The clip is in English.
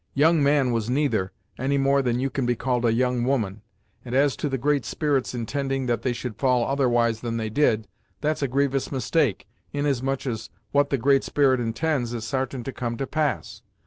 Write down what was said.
Young man was neither, any more than you can be called a young woman, and as to the Great Spirit's intending that they should fall otherwise than they did, that's a grievous mistake, inasmuch as what the Great Spirit intends is sartain to come to pass.